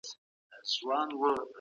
د مطالعې فرهنګ به تر پخوا ډېر پياوړی سي.